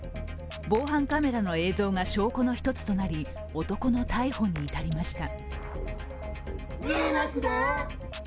防犯カメラの映像が証拠の１つとなり、男の逮捕に至りました。